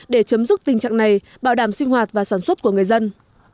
để chấm dứt tình trạng này bảo đảm sinh hoạt và sản xuất của người dân